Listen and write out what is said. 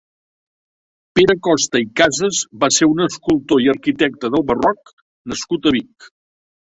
Pere Costa i Cases va ser un escultor i arquitecte del barroc nascut a Vic.